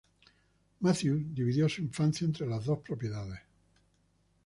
Matthews dividió su infancia entre las dos propiedades.